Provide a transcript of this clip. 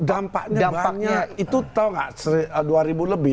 dampaknya banyak itu tau gak dua ribu lebih